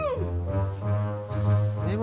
sampai jumpa pak